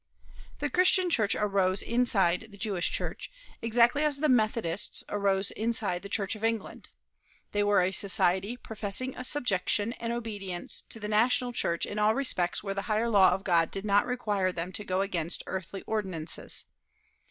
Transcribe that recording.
The Christian Church arose inside the Jewish church, exactly as the Methodists arose inside the Church of England. They were a society professing subjection and obedience to the national church in all respects where the higher law of God did not require them to go against earthly ordinances.